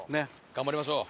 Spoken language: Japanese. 頑張りましょう。